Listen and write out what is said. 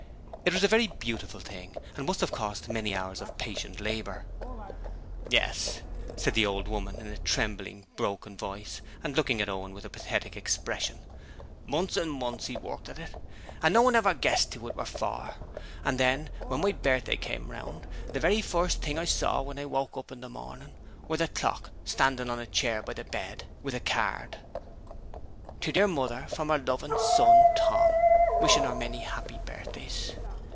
It was a very beautiful thing and must have cost many hours of patient labour. 'Yes,' said the old woman, in a trembling, broken voice, and looking at Owen with a pathetic expression. 'Months and months he worked at it, and no one ever guessed who it were for. And then, when my birthday came round, the very first thing I saw when I woke up in the morning were the clock standing on a chair by the bed with a card: 'To dear mother, from her loving son, Tom. Wishing her many happy birthdays.'